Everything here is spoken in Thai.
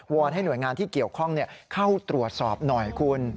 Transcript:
อนให้หน่วยงานที่เกี่ยวข้องเข้าตรวจสอบหน่อยคุณ